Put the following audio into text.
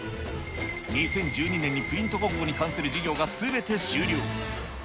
２０１２年にプリントゴッコに関する事業がすべて終了。